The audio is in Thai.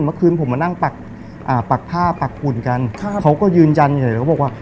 เมื่อคืนผมมานั่งปักผ้าปักหุ่นกันเขาก็ยืนยันอยู่เลยเขาบอกว่า